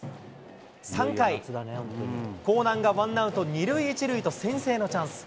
３回、興南がワンアウト２塁１塁と先制のチャンス。